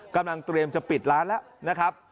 เตรียมจะปิดร้านแล้วนะครับ